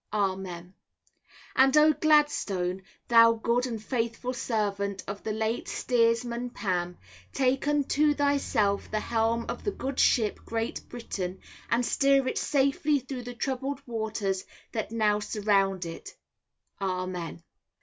Amen. And O, Gladstone, thou good and faithful servant of the late Steersman Pam, take unto thyself the helm of the good ship Great Britain, and steer it safely through the troubled waters that now surround it. Amen.